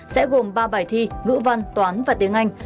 sẽ gồm ba bài thi ngữ văn toán và tiếng anh